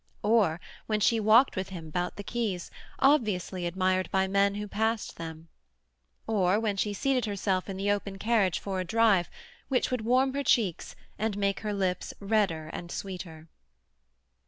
Or when she walked with him about the quays, obviously admired by men who passed them. Or when she seated herself in the open carriage for a drive which would warm her cheeks and make her lips redder and sweeter.